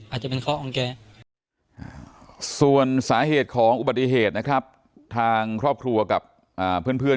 อาจจะเป็นเคาะของแกส่วนสาเหตุของอุบัติเหตุนะครับทางครอบครัวกับเพื่อน